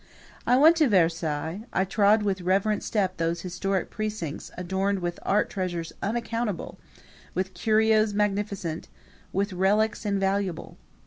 I went to Versailles; I trod with reverent step those historic precincts adorned with art treasures uncountable, with curios magnificent, with relics invaluable.